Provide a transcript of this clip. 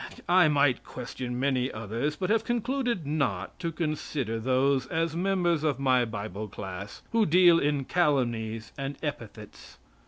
I might question many others, but have concluded not to consider those as members of my Bible class who deal in calumnies and epithets.